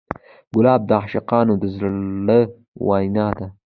ګلاب د عاشقانو د زړه وینا ده.